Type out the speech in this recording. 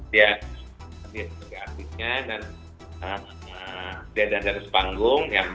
dia artisnya dan juga maskernya itu yang penting ya